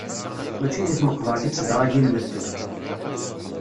Mačči deg tmeqbert i ttedṛagin medden.